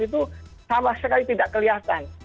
itu sama sekali tidak kelihatan